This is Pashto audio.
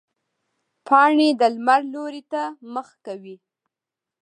پاڼې د لمر لوري ته مخ کوي